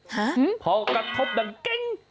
ฮะพอกระทบดังเก้ง